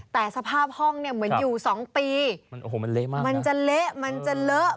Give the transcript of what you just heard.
แต่สภาพห้องมันเหมือนอยู่สองปีมันมันจะเละมันจะเละ